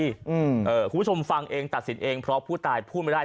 คุณผู้ชมฟังเองตัดสินเองเพราะผู้ตายพูดไม่ได้